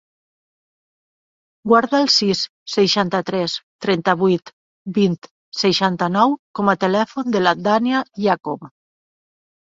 Guarda el sis, seixanta-tres, trenta-vuit, vint, seixanta-nou com a telèfon de la Dània Iacob.